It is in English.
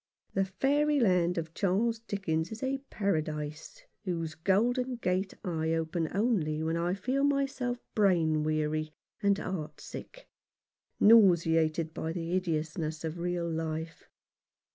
The fairyland of Charles Dickens is a paradise whose golden gate I open only when I feel myself brain weary and heart sick, nauseated by the hideousness of real life.